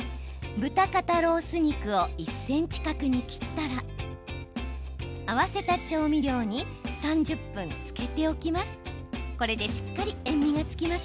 豚肩ロース肉を１ｃｍ角に切ったら合わせた調味料に３０分、漬けておきます。